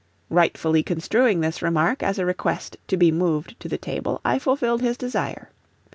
Rightfully construing this remark as a request to be moved to the table, I fulfilled his desire.